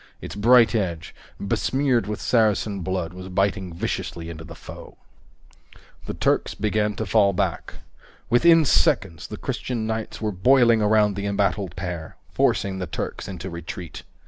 Its bright edge, besmeared with Saracen blood, was biting viciously into the foe. The Turks began to fall back. Within seconds, the Christian knights were boiling around the embattled pair, forcing the Turks into retreat.